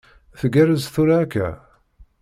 Tgerrez tura akka?